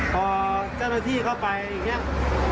พอเจ้าหน้าที่เข้าไปเนี่ย